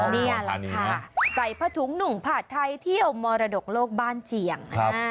นี่แหละค่ะใส่ผ้าถุงหนุ่มผาดไทยเที่ยวมรดกโลกบ้านเจียง